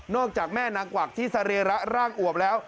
จากแม่นางกวักที่สรีระร่างอวบแล้ว